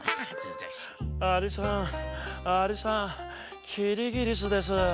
「アリさんアリさんキリギリスです」。